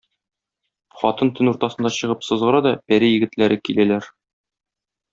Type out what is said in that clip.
Хатын төн уртасында чыгып сызгыра да пәри егетләре киләләр.